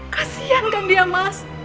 kasian kan dia mas